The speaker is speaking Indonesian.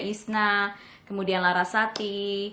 isna kemudian larasati